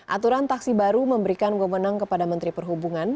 aturan taksi baru memberikan wewenang kepada menteri perhubungan